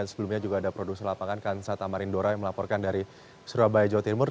sebelumnya juga ada produser lapangan kansata marindora yang melaporkan dari surabaya jawa timur